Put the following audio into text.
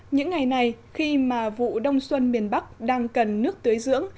những ngày này khi mà vụ đông xuân miền bắc đang cần nước tưới dưỡng